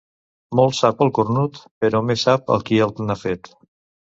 Molt sap el cornut, però més sap el qui el n'ha fet.